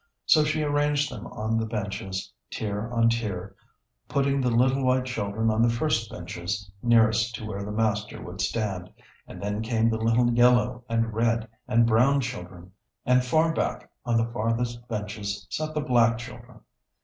So she arranged them on the benches, tier on tier, putting the little white children on the first benches, nearest to where the Master would stand, and then came the little yellow and red and brown children and far back on the farthest benches sat the black children.